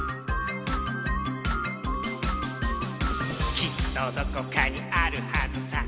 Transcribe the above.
「きっとどこかにあるはずさ」